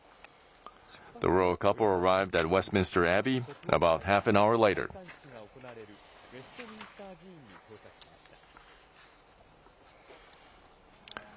国王夫妻は戴冠式が行われるウェストミンスター寺院に到着しました。